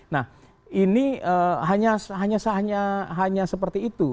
nah ini hanya seperti itu